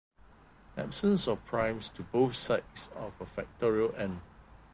Absence of primes to both sides of a factorial "n"!